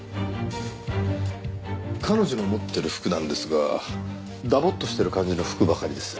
彼女の持ってる服なんですがダボッとしてる感じの服ばかりです。